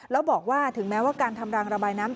แล้วบอกว่าถึงแม้ว่าการทำรางระบายน้ำ